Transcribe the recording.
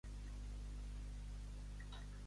La part alta de l'utricle.